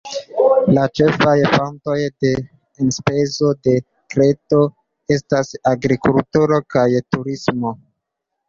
La ĉefaj fontoj de enspezo de Kreto estas agrikulturo kaj turismo.